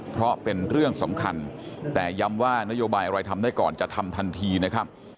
เพราะเป็นเรื่องสำคัญแต่ย้ำว่านโยบายอะไรทำได้ก่อนจะทำทันทีนะครับ